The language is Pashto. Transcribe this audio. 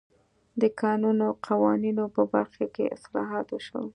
د کانونو قوانینو په برخه کې اصلاحات وشول.